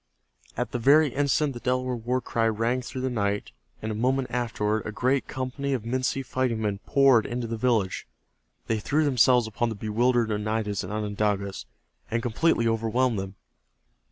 At that very instant the Delaware war cry rang through the night and a moment afterward a great company of Minsi fighting men poured into the village. They threw themselves upon the bewildered Oneidas and Onondagas and completely overwhelmed them.